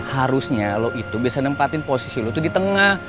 harusnya lo itu bisa nempatin posisi lo tuh di tengah